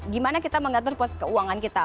gimana kita mengatur pos keuangan kita